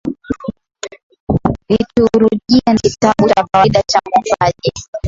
liturujia ni kitabu cha kawaida cha mwombaji